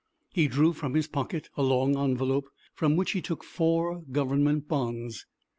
He drew from his pocket a long envelope, from which he took four government bonds.